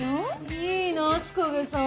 いいなぁ千景さん。